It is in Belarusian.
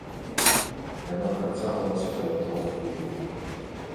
Яна працягвалася каля трох хвілін.